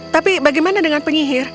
tapi bagaimana dengan penyihir